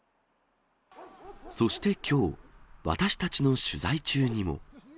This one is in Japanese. そしてきょう、私たちの取材中にも。